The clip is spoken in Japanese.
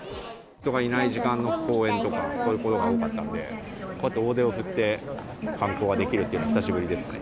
人がいない時間の公園とか、そういう所が多かったので、こうやって大手を振って観光ができるっていうのは久しぶりですね。